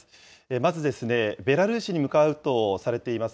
まずですね、ベラルーシに向かうとされています